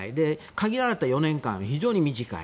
限られた４年間、非常に短い。